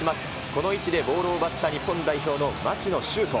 この位置でボールを奪った日本代表の町野修斗。